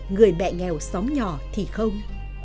người mẹ nghèo xóm nhỏ thì không